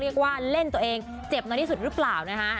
เรียกว่าเล่นตัวเองเจ็บน้อยที่สุดหรือเปล่านะคะ